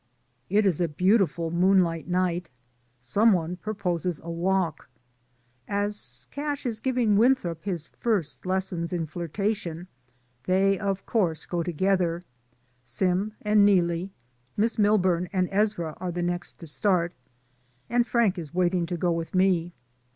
It is a beautiful moonlight night, some one proposes a walk. As Cash is giving Win DAYS ON THE ROAD. 25 throp his first lessons in flirtation, they, of course, go together; Sim and Neelie, Miss Milburn and Ezra are the next to start, and Frank is waiting to go with me.